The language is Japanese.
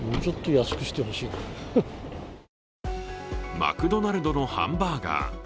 マクドナルドのハンバーガー。